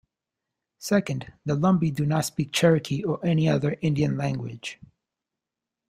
Second, the Lumbee do not speak Cherokee or any other Indian language.